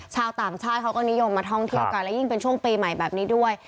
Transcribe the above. ชาวต่างชาติเขาก็นิยมมาท่องเที่ยวกันและยิ่งเป็นช่วงปีใหม่แบบนี้ด้วย